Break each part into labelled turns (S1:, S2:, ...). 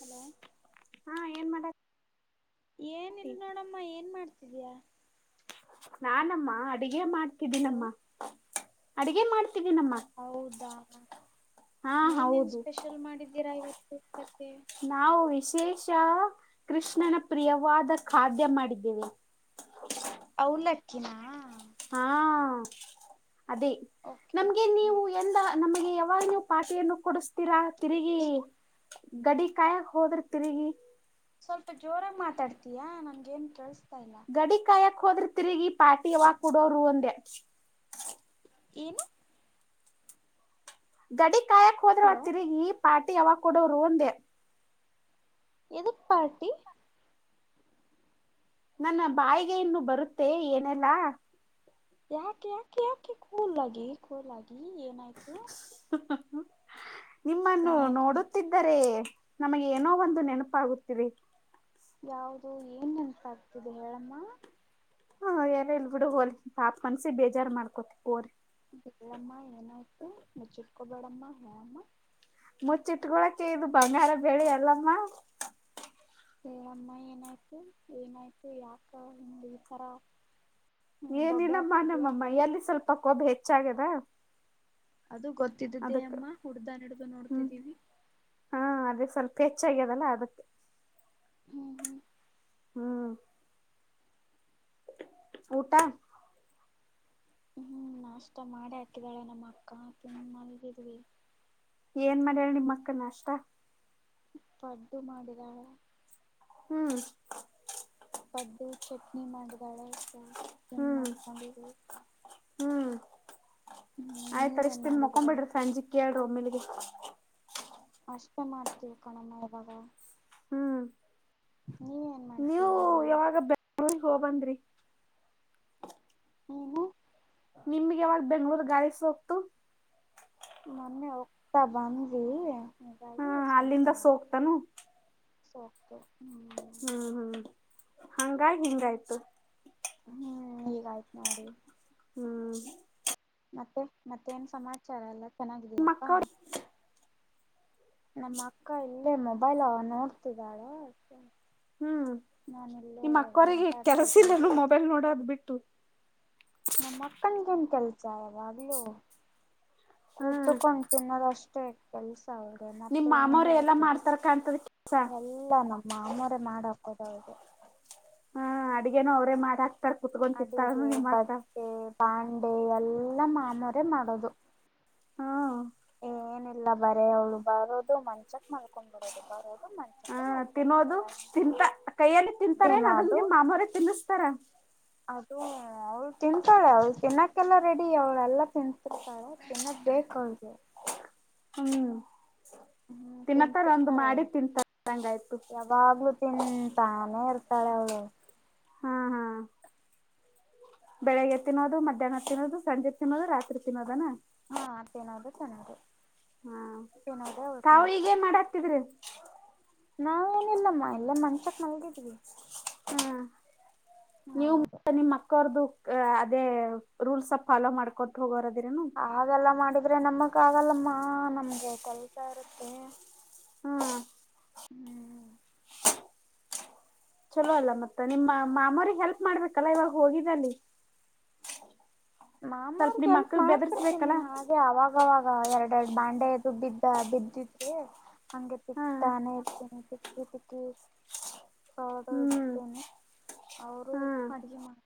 S1: Hello
S2: ಹಾ ಏನ್ ಮಾಡತಿ
S1: ಏನ ಇಲ್ ನೋಡಮ್ಮ ಏನ್ ಮಾಡ್ತಿದಯಾ
S2: ನಾನಮ್ಮ ಅಡಗೆ
S1: ಹಲೋ
S2: ಮಾಡ್ತಿದ್ದೀನಮ್ಮ ಅಡಗೆ ಮಾಡ್ತಿದೀನಮ್ಮ
S1: ಹೌದಾ ಏನೇನ್
S2: ಹೌದು
S1: ಸ್ಪೆಷಲ್ ಮಾಡಿದ್ದೀರಾ ಇವತ್ತು
S2: ನಾವು ವಿಶೇಷ ಕೃಷ್ಣನ ಪ್ರಿಯವಾದ ಖಾದ್ಯ ಮಾಡಿದ್ದೇವಿ
S1: ಅವಲಕ್ಕಿನ
S2: ಹಾ ಅದೇ
S1: ಓಕೆ
S2: ನಮ್ಗೆ
S1: ಓಕೆ
S2: ನೀವು ಎಂದ ನಮಗೆ ಯಾವಾಗ ನೀವು ಪಾಟಿಯನ್ನು ಕೊಡಿಸ್ತೀರಾ ತಿರುಗಿ
S1: ಏನು
S2: ಗಡಿ ಕಾಯಕ್ ಹೋದ್ರ ತಿರುಗಿ
S1: ಸ್ವಲ್ಪ ಜೋರ ಮಾತಾಡ್ತಯಾ ನನ್ ಏನ್ ಕೇಳಸ್ತಾ ಇಲ್ಲ
S2: ಗಡಿ ಕಾಯಕ್ ಹೋದ್ರ ತಿರುಗಿ ಪಾಟಿವ ಕುಡೋರೂ ಅಂದೆ
S1: ಏನು.
S2: ಗಡಿ ಕಾಯಕ್ ಹೋದ್ರ ಆ
S1: ಹಲೋ
S2: ತಿರುಗಿ ಪಾಟಿ ಯಾವಾಗ ಕೊಡೋವ್ರು ಒಂದೇ.
S1: ಏದುಕ್ ಪಾರ್ಟಿ.
S2: ನನ್ನ ಬಾಯಿಗೆ ಇನ್ನು ಬರುತ್ತೆ ಏನೆಲ್ಲಾ.
S1: ಯಾಕೆ ಯಾಕೆ ಯಾಕೆ ಕೂಲಾಗಿ ಕೂಲಗ ಏನ.
S2: ಹಾ ಹಾ. ನಿಮ್ಮನ್ನು
S1: ಏನಾಯ್ತು
S2: ನೋಡುತ್ತಿದ್ದರೆ ನಮಗೆ ಏನೋ ಒಂದು ನೆನಪಾಗುತ್ತಿದೆ.
S1: ಯಾವ್ದ ಏನ್ ನೆನ್ಸಾಗಗ್ತಿದೆ ಹೇಳಮ್ಮ.
S2: ಹ ಎಾರ ಇಲ್ ಬಿಡು ಹೋಲಿ ಪಾಪ ಮನ್ಸಿ ಬೇಜಾರ್ ಮಾಡ್ಕೋತ ಹೋರಿ.
S1: ಹೇಳ ಮ್ಮ ಏನಾಯ್ತ ಮುೆಚ್ಚಿಟ್ಕೋಬೇಡಮ್ಮ ಹೇಳಮ್ಮ.
S2: ಮುಚ್ಚಿಟ್ಕೊಳಕ್ಕೆ ಇದು ಬಂಗಾರ ಬೆಳ್ಳಿ ಎಲ್ಲಮ್ಮ.
S1: ಹೇಳಮ್ಮ ಏನಾಯ್ತು ಏನಾಯ್ತು ಯಾಕ ಹಂಗ ಈ ತರ. ಬೊಬ್ಬೆ
S2: ಏನಿಲ್ಲಮ್ಮ
S1: ಆಗ್ತಿದ್ಯಾ
S2: ನಮ್ಮಮ್ಮ
S1: ಹೇಳು
S2: ಎಲ್ಲಿ ಸ್ವಲ್ಪ ಕೊಬ್ಬ ಹೆಚ್ಚಾಗ್ಯದ.
S1: ಅದು ಗೊತ್ತಿದ್ದಿದ್ದೇ
S2: ಅದಕ್
S1: ಅಮ್ಮ ಹುಡ್ದನ್ ಹಿಡ್ದು
S2: ಹ್ಮ್
S1: ನೋಡ್ತಿದ್ದೀವಿ.
S2: ಹಾ ಅದೇ ಸ್ವಲ್ಪ ಹೆಚ್ಚಾಗ್ಯದಲ್ಲ ಅದಕ್ಕೆ.
S1: ಹ್ಮ ಹ್ಮ್.
S2: ಹ್ಮ್- ಊಟಾ.
S1: ಹ್ಮ್ ನಾಷ್ಟ ಮಾಡಿ ಹಾಕಿದಾಳೆ ನಮ್ಮ ಅಕ್ಕ. ಿ [unintelligible]
S2: ಏನ್ ಮಾಡ್ಯಾಲ್ ನಿಮ್ ಮಕ್ಕ ನಾಷ್ಟ.
S1: ಪಡ್ಡುು ಮಾಡಿದಾಳೆ.
S2: ಹ್ಮ್-
S1: ಪಡ್ಡು ಚಟ್ನಿ ಮಾಡಿದಾಳೆ ಸೊ ಇನ್
S2: ಹ್ಮ್
S1: ಮಾಡ್ಕೊಂಡಿಡಿವಿ.
S2: ಹ್ಮ್
S1: ಹ್ಮ್
S2: ಆಯ್ತ್ ಆದೀಸ್ಟು
S1: ನೀವೇನ್
S2: ಇಷ್ಟ ದನ್ ಮಕೊ
S1: ಮಾಡಿದೀರಾ
S2: ಬಿಡ್ರಿ ಸಂಜೆ ಕೇಳ್ರಿ ಒಮ್ಮೇಲಿಗೆ.
S1: ಅಷ್ಟೇ ಮಾಡ್ತೀವಿ ಕಣಮ್ಮ ಇವಾಗ.
S2: ಹ್ಮ್
S1: ನೀ
S2: ನೀವು ಯಾವಾಗ ಬೆಂಗಳೂರಿಗೆ ಹೋಗಬಂದ್ರಿ.
S1: ನೀವು.
S2: ನಿಮ್ಗೆ ಯಾವಾಗ ಬೆಂಗ್ಳೂರ್ ಗಾಳಿ ಸೊಕ್ತು.
S1: ಮೊನ್ನೆ ಹೋಗ್ತಾ ಬಂದ್ರಿ.
S2: ಹಾ ಅಲ್ಲಿಂದ ಸೊಕ್ತನು.
S1: ಸೂಕ್ಹೂ.
S2: ಹ್ಮ್ ಹ್ಮ್ ಹಂಗಾಗಿ್ ಹಿಂಗಾಯ್ತು.
S1: ಹ್ಮ್ ಈಗಯ್ತು ನೋಡಿ.
S2: ಹ್ಮ್.
S1: ಮತ್ತೆ ಮತ್ತೆ ಏನ್ ಸಮಾಚಾರ ಎಲ್ಲ
S2: ನಿಮ್ಮ
S1: ಚೆನ್ನಾಗಿದಯಲ್ಪ್ಪಾ.
S2: ಅಕ್ಕವ್ರ
S1: ನಮ್ಮ ಅಕ್ಕ ಇಲ್ಲೇ ಮೊಬೈಲ್ ನೋಡ್ತಿದ್ದಾಳ.
S2: ಹ್ಮ್ ನಿಮ್ಮ ಅಕ್ಕೋರಿಗೆ
S1: ಮಾತಾಡ್ತಿದ್ದೀನಿ
S2: ಕೆಲಸಿಲ್ಲನು ಮೊಬೈಲ್ ನೋಡದ್ ಬಿಟ್ಟು.
S1: ನಮ್ಮ ಅಕ್ಕನ್ಗೇನ್ ಕೆಲ್ಸ ಯಾವಾಗ್ಲುೂ
S2: ಹ್ಮ್
S1: ಕೂತ್ಕ. ತಿನ್ನೋದಷ್ಟೇ ಕೆಲ್ಸ ಅವ್ರ
S2: ನಿಮ್
S1: ಮತ್ತ
S2: ಮಾಮವ್ರ
S1: ನು
S2: ಎಲ್ಲಾ
S1: ಗೊತ್ತಿಲ್ಲ
S2: ಮಾಡ್ತಾರ ಕಾಣ್ತದ ಕೆಲ್ಸ
S1: ಎಲ್ಲ. ಇಲ್ಲ ನಮ್ಮ ಮಾಮರ ಮಾಡ ಹಾಕೋದ ಅವ್ರಿಗೆ.
S2: ಅಡಗೇನು ಅವರೇ ಮಾಡಾಕ್ತಾರ ಕುತ್ಕೊಂತಿಂಥಳನು ನಿಮ್ಮಕ್ಕ.
S1: ಪಾಂಡೆ ಎಲ್ಲ ಮಾಮೂರೆ ಮಾಡೋದು.
S2: ಹಾ
S1: ಏನಿಲ್ಲ ಬರೇ ಅವಳು ಬರೋದು ಮಂಚಕ್ ಮಲ್ಕೊಂಡ್ ಬಿಡೋದು. ಬರೋದು
S2: ಹ
S1: ಮಂಚಕ್ಕೆ ಮಲ್ಕೊಂಡ್ಬಿದೂ
S2: ತಿನ್ನೋದು ತಿಂತ ಕೈಯಲ್ಲಿ
S1: ಅಷ್ಟೇನ
S2: ತಿಂತಾರೇನ್ ಅದನ್ನ
S1: ಅದು.
S2: ನಿಮ್ ಮಾಮವರೇ ತಿನ್ನಿಸ್ತಾರ
S1: ಅದು ಅವಳು ತಿಂತಾಳೆ ಅವಳು ತಿನ್ನೋಕ್ಕೆಲ್ಲ ರೆಡಿ ಅವಳೆಲ್ಲಾ ತಿನಂತಿರ್ತಳೆ. ತಿನ್ನದ್ ಬೇಕು ಅವಳಿಗೆ
S2: ಹ್ಮ್
S1: ಹ್ಮ್
S2: ತಿನ್ನತ್ತಾರ ಒಂದು
S1: ತಿಂತಿರ್ತಾಳೆ
S2: ಮಾಡಿ ತಿಂತಾರಂಗ ಆಯ್ತು.
S1: ಯಾವಾಗ್ಲೂ ತಿಂತಾನೆ ಇರ್ತಾಳೆ ಅವಳು.
S2: ಹಾ ಹಾ ಬೆಳಿಗ್ಗೆ ತಿನ್ನೋದು ಮಧ್ಯಾಹ್ನ ತಿನ್ನೋದು ಸಂಜೆ ತಿನ್ನೋದು ರಾತ್ರಿ ತಿನ್ನೋದೆನಾ.
S1: ಹಾ ತಿನೋದು ಚೆನ್ನದ್
S2: ಹಾ ತಾವು ಈಗೇ ಮಾಡಾತ್ತಿದ್ರಿ
S1: ನಾವು ಏನಿಲ್ಲಮ್ಮ ಇಲ್ಲೇ ಮಂಚಕ್ ಮಲ್ಗಿದ್ವಿ.
S2: ಹ್ಮ್ ನೀವು
S1: ಹೌದು
S2: ನಿಮ್ಮ ಅಕ್ಕ ಅವರದ್ದೂ. ಅ ಅದೇ ರೂಲ್ಸ್ ಫಾಲೋ ಮಾಡ್ಕೊಟ್ಟು ಹೋಗೋರೇನೂ.
S1: ಹಾಗಲ್ಲ ಮಾಡಿದ್ರೆ ನಮಕ್ ಆಗಲ್ಲಮ್ಮ ನಮಗೆ ಕೆಲಸ ಇರುತ್ತೆ.
S2: ಹ್ಮ್
S1: ಹ್ಮ್
S2: ಚಲೋ ಅಲ್ಲ ಮತ್ತೆ ನಿಮ್ಮ ಮಾಮಾರಿಗೆ ಹೆಲ್ಪ್ ಮಾಡ್ಬೇಕಲ್ಲ ಇವಾಗ ಹೋಗಿದಲ್ಲಿ.
S1: ಮಾಮಾ
S2: ಸ್ವಲ್ಪ
S1: ಅವ್ರಿಗೆ
S2: ನಿಮ್
S1: ಎಲ್ಪ್
S2: ಅಕ್ಕಗ್
S1: ಮಾಡರ್ತೀನಿ
S2: ಬೆದರ್ಸ್ಬೇಕಲ್ಲ
S1: ಹಾಗೆ ಅವಾಗ. ಆವಾಗ ಎರಡೆ ಎರಡು ಬಾಂಡೆದು ಬಿದ್ದ ಬಿದ್ದಿದ್ರೂ ಹಂಗೆ
S2: ಹಾ
S1: ತಿಂತಾನೆ ತಿಕ್ಕಿ ತಿಕ್ಕಿ ಹದ
S2: ಹ್ಮ್
S1: ಇಡ್ತೇನೆ ಅವರು
S2: ಹ್ಮ್
S1: ಅಡುಗೆ ಮಾಡ್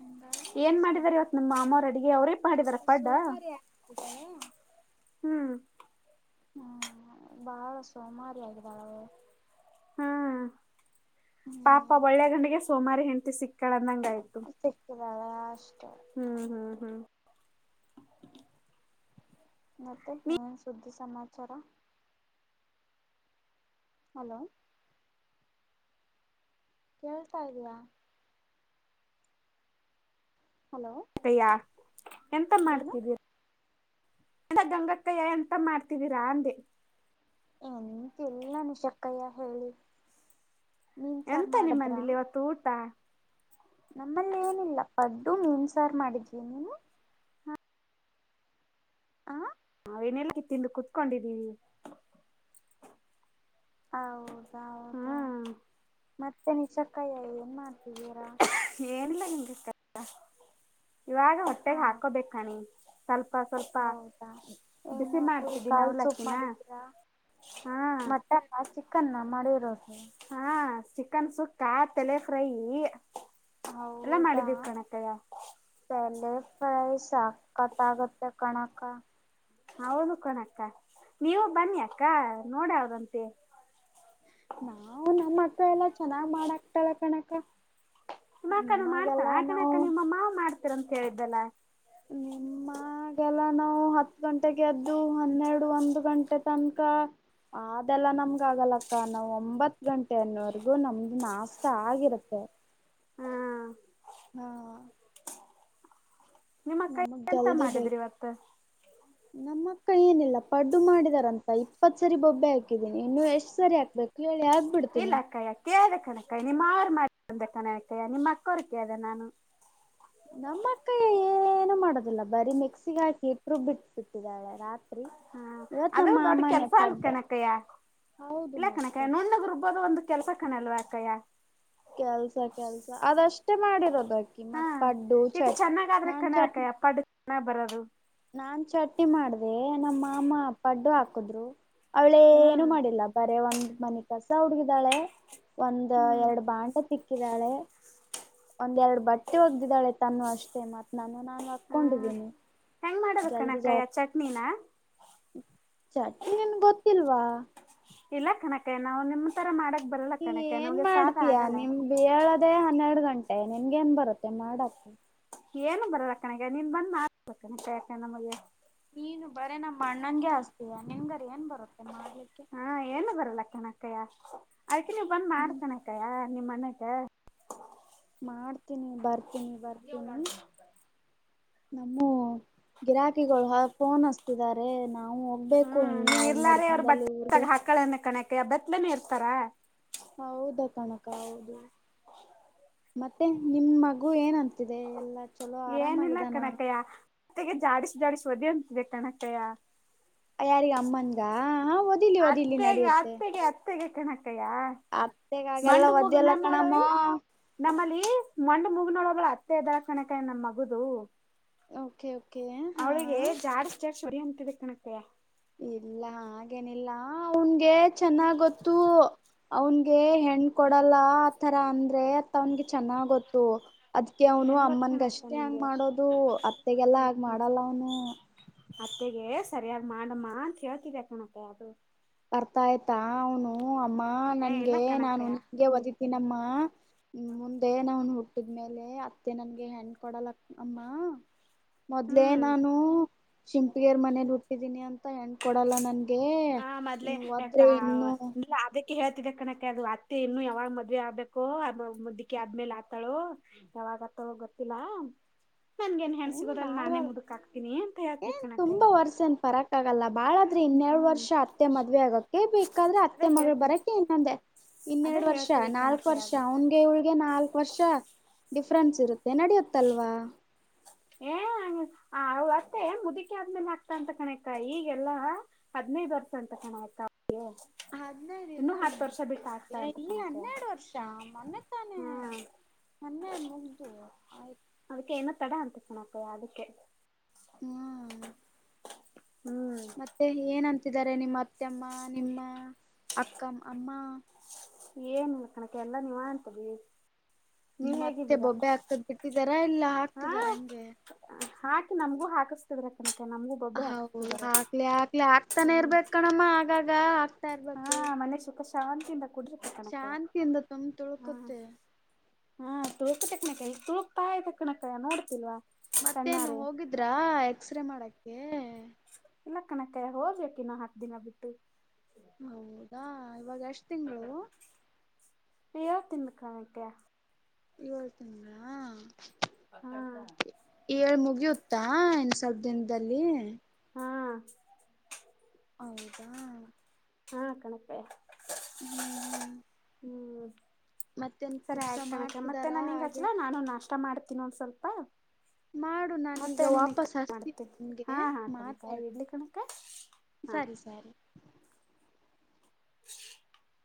S1: ಹಂಗಾಗಿ
S2: ಏನ್
S1: ಸ್ವಲ್ಪ
S2: ಮಾಡಿದಾರೆ ಇವತ್ ನಿಮ್ಮ ಮಾಮ್ಮ ಅಡುಗೆ ಅವ್ರೇ ಮಾಡಿದಾರ ಪಾಡ
S1: ತಳ [unintelligible]
S2: ಹ್ಮ್
S1: ಹ್ಮ್ ಬಾಳ ಸೋಮಾರಿ ಆಗಿದ್ದಾಳೆ ಅವಳು.
S2: ಹ್ಮ್ ಪಾಪ
S1: ಹ್ಮ್
S2: ಒಳ್ಳೆ ಗಂಡಿಗೆ ಸೋಮಾರಿ ಹೆಂಡ್ತಿ ಸಿಕ್ಕಾಳಂದಂಗ ಆಯ್ತು.
S1: ಸಿಕ್ಕದಳಾ ಅಷ್ಟ್
S2: ಹ್ಮ್ ಹ್ಮ್ ಹ್ಮ್
S1: ಮತ್ತೆ ಏನ್ ಸುದ್ದಿ ಸಮಾಚಾರ. ಹಲೋ ಕೇಳ್ತಾ ಇದ್ದೀಯಾ. ಹಲೋ
S2: ಯ ಎಂತ
S1: ಏನು
S2: ಮಾಡ್ತಿದೀರಾ. ಎಂಡ ಗಂಗಕ್ಕಯ ಎಂತ ಮಾಡ್ತಿದ್ದೀರಾ ಅಂದೆ.
S1: ಎಂತಿಲ್ಲ ನಿಷಕ್ಕಯ್ಯ ಹೇಳಿ ಮೀನ್ ಸಾರು ಮಾಡಿದ್ರಾ.
S2: ರೂಟಾ
S1: ನಮ್ಮಲ್ಲಿ ಏನಿಲ್ಲ ಪಡ್ಡು ಮೀನ್ಸಾರು ಮಾಡಿದ್ವಿ ನೀವು. ಆ
S2: ನಾವು ನೆಲ್ಲಕ್ಕ ತಿಂದು ಕೂತ್ಕೊಂಡಿದ್ದೀವಿ.
S1: ಹೌದೌ ಹೌದು
S2: ಹ್ಮ್
S1: ಮತ್ತೆ ನಿಶಕ್ಕಾಯ ಏನ್ ಮಾಡ್ತಿದ್ದೀರಾ.
S2: ಏನಿಲ್ಲ ನಿಮ್ಗೆ ಇವಾಗ
S1: ಹಾ
S2: ಹೊಟ್ಟೆಗೆ ಹಾಕೋಬೇಕ್ ಕಣೆ ಸ್ವಲ್ಪ ಸ್ವಲ್ಪ
S1: ಹೌದಾ
S2: ಬಿಸಿ
S1: ಏನು ಕುರಿ
S2: ಮಾಡ್ತಿದ್ದೀನಿ
S1: ಕಾಲ್
S2: ಅವಲ್ಲಕ್ಕಿನ ಹಾ
S1: ಮಟನ್ನ ಚಿಕನ್ನ ಮಾಡಿರೋದು.
S2: ಹಾ ಚಿಕನ್ ಸುಕ್ಕ ತಲೆ ಫ್ರೈ ಎಲ್ಲಾ ಮಾಡಿದೀವಿ ಕಣಕಯ್ಯ. [inaudible]
S1: ಬೆಂಡೆ ಫ್ರೈ ಸಕ್ಕತ್ತಾಗತ್ತೆ ಕಣಕ್ಕಾ.
S2: ಹೌದು ಕಣಕ್ಕ ನೀವು ಬನ್ನಿ ಅಕ್ಕ ನೋಡಾವರಂತಿ. [inaudible]
S1: ನಾವು ನಮ್ಮ ಅಕ್ಕ ಎಲ್ಲಾ ಚೆನ್ನಾಗ ಮಾಡಹಾಕತಳ್ ಕಣಕ್ಕ. [inaudible]
S2: ನಿಮ್ಮಕ್ಕನು ಮಾಡ್ತ
S1: ನಾವು
S2: ಆಕಣಕ್ಕ ನಿಮ್ಮ ಮಾವ ಮಾಡ್ತರ ಅಂತ ಹೇಳಿದ್ದಲ್ಲ. [inaudible]
S1: ನಿಮ್ಮ ಮನೆಗ ಎಲ್ಲಾ ನಾವು ಹತ್ತು ಗಂಟೆ ಗೆದ್ದು ಹನ್ನೆರಡು ಒಂದು ಗಂಟೆ ತನಕ ಅದೆಲ್ಲ ನಮ್ಗ ಆಗಲಕ್ಕ ನಾವ ಒಂಬತ್ತ ಗಂಟೆನ್ವರ್ಗೂ ನಮ್ದು ನಾಷ್ಟ ಆಗಿರುತ್ತೆ.
S2: ಹ್ಮ್
S1: ಹಾ
S2: ನಿಮ್ಮ ಅಕ್ಕ
S1: ನಮಗ್
S2: ಎಂತ
S1: ಜಲ್ದಿ ಬೇಕ.
S2: ಮಾಡಿದ್ರಿ ಇವತ್ತು
S1: ನಮ್ಮ ಅಕ್ಕ ಏನಿಲ್ಲ ಪಡ್ಡು ಮಾಡಿದಾರಂತ ಇಪ್ಪತ್ತ ಸರಿ ಬೊಬ್ಬೆ ಹಾಕಿದ್ದೀನಿ ಇನ್ನು ಎಷ್ಟ್ ಸರಿ ಹಾಕ್ಬೇಕು. ಹೇಳಿ
S2: ಇಲ್ಲ
S1: ಹಾಕ್ಬಿಡ್ತೀನಿ
S2: ಅಕ್ಕಯ್ಯ ಕೇಳ್ದೆ ಕನಕಯ್ಯ ನಿಮ್ಮ ಮಾವರ ಮಾಡಿದೇ ಕನಕ್ಕಯ್ಯ ನಿಮ್ಮ ಅಕ್ಕೋರ್ ಕೇಳ್ದ ನಾನು. [inaudible]
S1: ನಮ್ಮ ಅಕ್ಕ ಏ ಏನು ಮಾಡೋದಿಲ್ಲ ಬರಿ ಮೆಕ್ಸಿಗೆ ಹಾಕಿ ಹಿಟ್ಟ ರುಬ್ಬಿ ಬಿಟ್ ಬಿಟ್ಟಿದ್ದಾಳೆ ರಾತ್ರಿ [inaudible]
S2: ಹಾ
S1: ಇವತ್
S2: ಅದು
S1: ನಮ್ಮ
S2: ದೊಡ್ಡ
S1: ಮಾಮನೆ
S2: ಕೆಲಸಾ ಅಲ್ಲ
S1: ಪಡ್ಡ
S2: ಕಣಕಯ್ಯ
S1: ಹೌದು
S2: ಇಲ್ಲ
S1: ಮತ್ತೆ
S2: ಕಣಕಯ್ಯ ನುಣ್ಣಗ್ ರುಬ್ಬೋದು ಒಂದು [inaudible] ಕೆಲಸ ಕಣಲ್ವಾ ಅಕ್ಕಯಾ? [inaudible]
S1: ಕೆಲಸ ಕೆಲಸ ಅದಷ್ಟೇ ಮಾಡಿರೋದಕಿ
S2: ಹಾ
S1: ಮತ್ತ ಪಡ್ಡು ಚಟ್ ನಾನ್ ಚಟ್
S2: ಹಣ ಬರೋದು? [inaudible]
S1: ನಾನ್ ಚಟ್ನಿ ಮಾಡ್ದೆ ನಮ್ಮ ಮಾಮ ಪಡ್ಡು ಹಾಕಿದ್ರು ಅವಳೇ
S2: ಹಾ [inaudible]
S1: ಇಲರ ಬೇರೆ ಒಂದ್ ಮನೀ ಕಸ ಹೊಡೆದಿದ್ದಾಳೆ ಒಂದ
S2: ಹ್ಮ್
S1: ಎರಡು ಬಾಂಡೇ ತಿಕ್ಕಿ [inaudible] ದ್ದಾಳೆ ಒಂದ್ ಎರಡು ಬಟ್ಟೆ ಒಗದಿದಾಳೆ. [inaudible] ತನೂವ ಅಷ್ಟೇ ಮತ್ತ ನನ್ನವ ನಾನ
S2: ಆ,
S1: ಓಕೊಂಡಿದ್ದೀನಿ. [inaudible]
S2: ಹೆಂಗ್ ಮಾಡದು ಕಣಕ್ಕಯ್ಯ ಚಟ್ನಿ ನಾ? [inaudible]
S1: ಚಟ್ನಿ ಏನ್ ಗೊತ್ತಿಲ್ವಾ? [inaudible]
S2: ಇಲ್ಲ ಕಣಕ್ಕ ನಾವು ನಿಮ್ಮ ತರ ಮಾಡಕ್ ಬರಲ್ಲ ಕಣಕ್ಕ ನಮ್ಗೆ ಸಾಲಾ ಆಗಲ್ಲ. [inaudible]
S1: ನೀ ಏಳದೇ ಹನ್ನೆರಡ ಗಂಟೆ ನಿನ್ಗೆ ಏನ್ ಬರುತ್ತೆ ಮಾಡಕ [inaudible]
S2: ಏನು ಬರೋಲ ಕಣಕ್ಕ ನೀನ್ ಬಂದ್ ಮಾಡಸ ಬೇಕ ಅಂತೇ ಯಾಕ ನಮಗೆ [inaudible]
S1: ನೀನು ಬರೇ ನಮ್ಮ ಅಣ್ಣನಗೇ ಹಸ್ತಿಯಾ ನಿನಗರ ಏನ್ ಬರುತ್ತೆ ಮಾಡ್ಲಿಕ್ಕೆ. [inaudible]
S2: ಹಾ ಏನು ಬರಲ್ಲ ಕಣಕ್ಕಯ್ಯ ಅದಕ್ಕೆ ನೀವು ಬಂದ್ ಮಾಡ್
S1: ಹ್ಮ್
S2: ಕಣಕ್ಕಯ್ಯ ನಿಮ್ಮ ಅಣ್ಣಗ. [inaudible]
S1: ಮಾಡ್ತೀನಿ ಬರ್ತೀನಿ ಬರ್ತೀನಿ ನಮ್ಮವೋ [inaudible] ಗಿರಾಕಿಗಳು ಹ ಫೋನ್ ಹಸ್ತಿದಿದ್ದಾರೆ ನಾವು ಹೋಗ್ಬೇಕು ಇನ್ ಎರಡ್ ಮೂರ್ ದಿನದಲ್ಲಿ ಊರಗೆ. [inaudible]
S2: ಮಕ್ಕಳ ಕಣಕ್ [inaudible] ಬತ್ಲನೆ ಇರ್ತಾರಾ? [inaudible]
S1: ಹೌದು ಕನಕ ಹೌದು. [inaudible] ಮತ್ತೆ ನಿಮ್ಮ ಮಗು ಏನ್ ಅಂತಿದೆ ಎಲ್ಲ [inaudible]
S2: ಏನಿಲ್ಲ ಕಣಕಯ್ಯ ಮೇತ್ತೆಗೆ ಜಾಡಿಸ್ ಜಾಡಿಸ್ ಓದಿಯೋದ ಇದೆ ಕಣಕ್ಕಯ್ಯ. [inaudible]
S1: ಯಾರಿಗ ಅಮ್ಮನಗಾ ಹಾ ಓ [inaudible]
S2: ಅತ್ತೆಗೆ ಅತ್ತೆಗೆ ಅತ್ತೆಗೆ ಕಣಕ್ಕಯ್ಯ. [inaudible]
S1: ಅತ್ತೆಗ ಹಾಗೆಲ್ಲ
S2: ಮಂಡು ಮೂಗು
S1: ಒದೆಲ್ಲ
S2: ನಮ್ಮಳು
S1: ಕಣಮ್ಮೋ? [inaudible]
S2: ನಮ್ಮಲ್ಲಿ ಮಂಡ್ ಮುಗನೊಳ ಒಬ್ಬ ಅತ್ತೆ ಇದ್ದಾಳೆ ಕಣಕಯ್ಯ ನಮ್ಮ ಮಗುದು. [inaudible]
S1: ಓಕೆ ಓಕೆ
S2: ಅವಳಿಗೆ
S1: ಹಾ
S2: ಜಾಡ್ಸ್ ಜಾಡ್ಸ್ ಹೊಡಿ ಯಂಗ್ ಅಂತಿದೆ ಕಣಕಯ್ಯ. [inaudible]
S1: ಇಲ್ಲ ಹಾಗೇನಿಲ್ಲ ಅವನ್ಗೆ ಚೆನ್ನಾಗ ಗೊತ್ತು. [inaudible] ಅವನಗೆ ಹೆಣ್ ಕೊಡಲ್ಲ ಆತರ ಅಂದ್ರೆ ಅತ್ತ ಅವನ್ಗೆ ಚೆನ್ನಾಗಿ ಗೊತ್ತು. [inaudible] ಅದಕ್ಕೆ ಅವನು
S2: ಏನ್ ಗೊತ್ ಕಣಕ್ಕ
S1: ಅಮ್ಮನ್ಗಷ್ಟೇ ಹಂಗ
S2: ನಿಂಗೆ
S1: ಮಾಡೋದು ಅತ್ತೆಗೆಲ್ಲ ಹಂಗ ಮಾಡಲ್ಲ ಅವನು [inaudible]
S2: ಅತ್ತೆಗೆ ಸರಿಯಾಗಿ ಮಾಡಮ್ಮ ಅಂತ ಹೇಳ್ತಿದೆ ಕಣಕಯ್ಯ ಅದು [inaudible]
S1: ಬರ್ತಾ ಆಯ್ತಾ ಅವನು ಅಮ್ಮ
S2: ಏ ಇಲ್ಲ
S1: ನನ್ಗೆ ನಾನು
S2: ಕಣಕ್ಕಯ್ಯ
S1: ನಿಂಗೆ ಒಓದಿ. ನಮ್ಮ ಮುಂದೆ ನಾವನ್ ಹುಟ್ಟಿದ್ಮೇಲೆ ಅತ್ತೆ ನನ್ಗೆ ಹೆಣ್ ಕೊಡಲ. ಅಮ್ಮ ಮೊದ್ಲೇ
S2: ಹ್ಮ್
S1: ನಾನು. ಶಿಂಪಗೇರ್ ಮನೇಲಿ ಹುಟ್ಟಿದೀನಿ ಅಂತ ಹೆಣ್ ಕೊಡಲ್ಲ ನನ್ಗೆ.
S2: ಹ ಮದ್ಲೆೇ
S1: ಇನ್ನು
S2: ಅಅ
S1: ಒದ್ರೆ ಇನ್ನು
S2: ಅದೇ. ಹೇಳ್ತಿದ್ದ ಕಣಕ ಅದು ಅತ್ತೆ ಇನ್ನು ಯಾವಾಗ ಮದ್ವೆ ಆಗ್ಬೇಕೋ ಆ ಮುದ್ದುಕಿ ಆದ್ಮೇಲೆ ಆತಾಳೋ. ಯಾವಾಗತ್ತಲೊ ಗೊತ್ತಿಲ್ಲ. ನನ್ಗ ನ್ ಹೆಣ್
S1: ಏನ್
S2: ಸಿಗೋದಿಲ್ಲ ನಾನೇ
S1: ಬಾಳ್
S2: ಮುದುಕ್ ಆಕ್ತೀನಿ ಅಂತ ಎಳ್ತಿನಿ ಕಣಕಯ್ಯರು.
S1: ಸನ್ ಪರಕ್. ಗಲ್ಲ ಬಾಳಾದ್ರೆ ಇನ್ನೆರಡು ವರ್ಷ ಅತ್ತೆ ಮದ್ವೆ ಆಗಕ್ಕೆ ಬೇಕಾದ್ರೆ
S2: ಅದೇ
S1: ಅತ್ತೆ ಮಗಳು
S2: ಹೇಳ್ತಿವಿ
S1: ಬರಕ ಇನಂದೆ.
S2: ಅದೇ
S1: ಇನ್ನೆರಡು ವರ್ಷ
S2: ಹೇಳ್ತಿವಿ
S1: ನಾಲ್ಕು
S2: ಕಣಕ್ಕಯ್ಯ
S1: ವರ್ಷ
S2: ಅದು
S1: ಅವನ್. ಇವಳ್ಗೆ ನಾಲ್ಕು ವರ್ಷ ಡಿಫ್ರೆನ್ಸ್ ಇರುತ್ತೆ ನಡೆಯುತ್ತಲ್ವಾ.
S2: ಏ ಅವ್ ಅತ್ತೆ ಮುದುಕಿ ಆದ್ಮೇಲೆ ಆಗ್ತಾಂತ ಕಣಕ್ಕ ಈಗೆಲ್ಲಾ. ಹದಿನೈದು ವರ್ಷ ಅಂತ ಕಣಕ್ಕ ಅರ್ಗೆ.
S1: ಹದ್ನೈದ ಇಲ್ಲಮ್ಮಏ
S2: ಅಂತ
S1: ಈಗ
S2: ಕಣಕ್ಕಯ್ಯ
S1: ಹನ್ನೆರಡು ವರ್ಷ ಮೊನೆೆ ತಾನೆ.
S2: ಹಾ
S1: ಮನ್ನೆ ಮುಗ್ದು ಆಯ್ತು.
S2: ಅದಕ್ಕೆ ಏನು ತಡ ಅಂತ ಚಣಕ್ಕಯ್ಯ ಅದಕ್ಕೆ.
S1: ಹ್ಮ
S2: ಹ್ಮ್
S1: ಮತ್ತೆ ಏನಂತಿದ್ದಾರೆ ನಿಮ್ಮ ಅತ್ತಮ್ಮ ನಿಮ್ಮ ಅಕ್ಕ ಅಮ್ಮ.
S2: ಏನ್ಿಲ್ಲ ಕಣಕ್ಕೆ ಎಲ್ಲಾ ನೀವಾಣ್ತದೀರಿ.
S1: ನಿಮ್ಮ್ ಅತ್ತೆ ಬೊಬ್ಬೆ ಹಾಕ್ತದ್ ಬಿಟ್ಟಿದಾರಾ ಇಲ್ಲ
S2: ಹಾ
S1: ಹಾಕ್ತಿದಾರ ಹಂಗೆ.
S2: ಹಾಕಿ ನಮ್ಗೂ ಹಾಕಿಸಸ್ತಿದ್ರ ಕನಕ ನಮಗೂ. ಬೊಬ್ಬೆ
S1: ಹೌದು
S2: ಹಾಕಿಸ್ತಿದ್ದಾರೆ
S1: ಹಾಕ್ಲಿ ಹಾಕ್ಲಿ ಆಕ್ತಾನೆ
S2: ಹ್ಮ್
S1: ಇರ್ಬೇಕಕ್ ಕಣಮ್ಮ ಆಗಾಗ.
S2: ಹಾ
S1: ಇರ್ಬೇಕು
S2: ಮನೆ ಸುಖ ಶಾಂತಿ ಬ.
S1: ಶಾಂತಿಯಿಂದ ತುಂಬ ತುಳ್ಕುತ್ತೆ.
S2: ಹಾ ತೂಳ್ಕ್ ತಕ್ಣಕ ಇ ತುಳ್ಕ್ತಾ್ ತಕ್ಣಕ ನೋಡ್ತಿಲ್ವಾ.
S1: ಮತ್ತೇನು
S2: ಕಣ್ಣಾರೆ
S1: ಹೋಗಿದ್ರಾ ಎಕ್ಸ್ರೇ ಮಾಡಕ್ಕೆ.
S2: ಇಲ್ಲ ಕಣಕ ಹೋಗ್ಬೇಕಕ ಇನ್ನು ಹತ್ ದಿನ ಬಿಟ್ಟು.
S1: ಹೌದಾ ಇವಾಗ ಎಸ್ಟ್.
S2: ಹೇಳ್ ತಿನ್ನುಕಾಣಕ್ಕೆ.
S1: ಇವಗ್ ತಿಂದ್ರಾ.
S2: ಹ್ಮ್
S1: ಏಳ್ು ಮುಗಿಯುತ್ತಾ ಇನ್ ಸ್ವಲ್ಪ ದಿನದಲ್ಲಿ.
S2: ಹಾ
S1: ಹೌದಾ.
S2: ಹಾ ಕಣಪೇ.
S1: ಹ್ಮ್ ಹ್ಮ್
S2: ಹ್ಮ್
S1: ಮತ್ತೇನ್
S2: ಸರಿ
S1: ಕುಬ್ಸ
S2: ಆಯ್ತು ಕಣಕ ಮತ್ತೆ
S1: ಮಾಡ್ತಿದಾರಾ
S2: ನನ್
S1: ಹಾಗೆ
S2: ಹಂಗಚ್ಲ ನಾನು ನಾಷ್ಟ ಮಾಡ್ತೀನ ಒಂದ ಸ್ವಲ್ಪ.
S1: ಮಾಡು
S2: ಮತ್ತೆ
S1: ನಾನೀಗ
S2: ನಿನಗೆ
S1: ವಾಪಸ್ ಹರ್ತೀಿ
S2: ಮಾಡ್ತೀನಿ
S1: ನಿಮ್ಗೆ
S2: ಹಾಂ ಹಾಂ ಕಣಕ್ಕ
S1: ಮಾತಾಡು.
S2: ಇಡ್ಲಿ ಕಣಕ್ಕ ಹಾಂ
S1: ಸರಿ ಸರಿ.
S2: [inaudible]